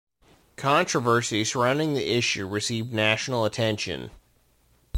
Controversy surrounding the issue received national attention.